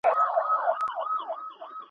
دا منم چي صبر ښه دی او په هر څه کي په کار دی.